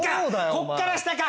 こっから下か。